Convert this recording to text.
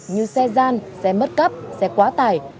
như xe gian xe mất cấp xe quá tải